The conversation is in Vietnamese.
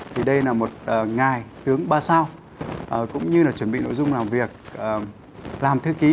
thì đây là một ngày tướng ba sao cũng như là chuẩn bị nội dung làm việc làm thư ký